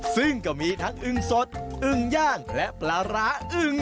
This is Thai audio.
ซึ่งก็มีทั้งอึงสดอึ้งย่างและปลาร้าอึง